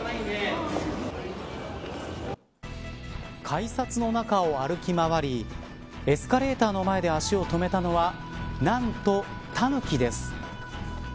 改札の中を歩き回りエスカレーターの前で足を止めたのは何とタヌキです。